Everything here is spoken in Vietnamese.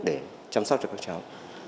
để trả lời cho các cháu